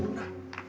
kamu stay disini